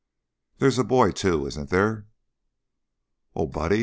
"There is a boy, too, isn't there?" "Oh, Buddy!